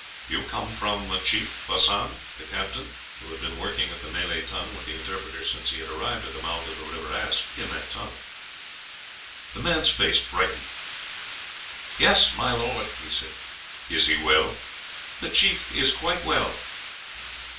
"You come from the chief Hassan?" the captain, who had been working at the Malay language, with the interpreter, since he had arrived at the mouth of the river, asked in that tongue. The man's face brightened. "Yes, my lord," he said. "Is he well?" "The chief is quite well."